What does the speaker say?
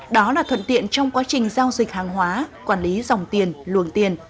đó là thuận tiện trong quá trình giao dịch hàng hóa quản lý dòng tiền luồng tiền